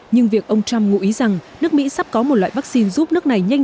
nhưng việc ông trump ngụ ý rằng nước mỹ sắp có một loại vaccine giúp nước này nhanh